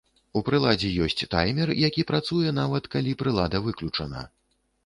У прыладзе ёсць таймер, які працуе, нават калі прылада выключана.